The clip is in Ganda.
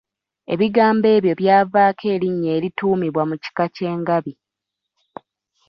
Ebigambo ebyo byavaako erinnya erituumibwa mu kika ky’engabi.